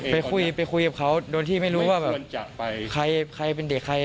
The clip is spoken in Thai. ไปคุยไปคุยกับเขาโดยที่ไม่รู้ว่าแบบใครเป็นเด็กใคร